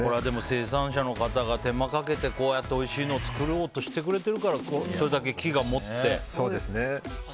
生産者の方が手間かけておいしいのを作ろうとしてくれてるからそれだけ木が持って。